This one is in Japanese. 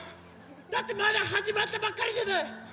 だってまだはじまったばっかりじゃない！